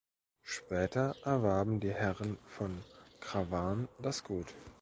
Später erwarben die Herren von Krawarn das Gut.